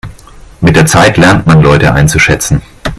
Mit der Zeit lernt man Leute einzuschätzen.